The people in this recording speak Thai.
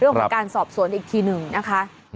เรื่องของการสอบสวนอีกทีหนึ่งนะคะ